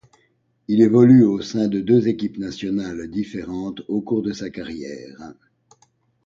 Il évolue au sein de deux équipes nationales différentes au cours de sa carrière.